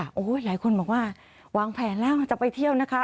โอ้โหหลายคนบอกว่าวางแผนแล้วจะไปเที่ยวนะคะ